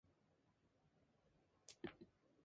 It is a term used frequently in mental status exams.